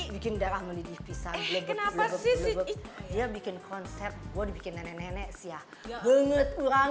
bikin darah melidih pisang kenapa sih dia bikin konsep gue bikin nenek nenek siah banget orang